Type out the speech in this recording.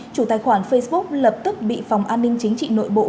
chủ tài khoản facebook lập tức bị phòng an ninh chính trị nội bộ